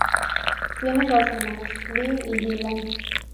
Tiene dos hermanos: Lee y Dylan.